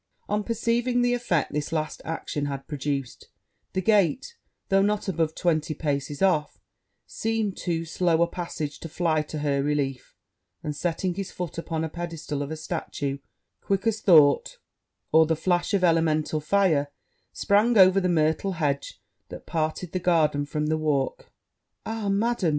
On perceiving the effect this last action had produced, the gate, though not above twenty paces off, seemed too slow a passage to fly to her relief; and, setting his foot upon a pedestal of a statue, quick as thought, or the flash of elemental fire, sprang over the myrtle hedge that parted the garden from the walk. 'Ah, Madam!'